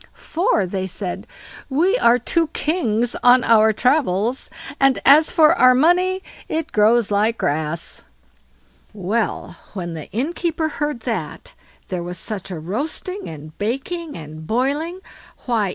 "For", said they, "we are two kings on our travels, and as for our money, it grows like grass." Well, when the innkeeper heard that, there was such a roasting, and baking, and boiling; why!